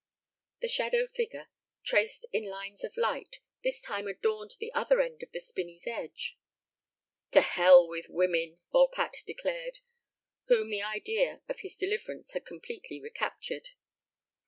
The shadow figure, traced in lines of light, this time adorned the other end of the spinney's edge. "To hell with women," Volpatte declared, whom the idea of his deliverance has completely recaptured.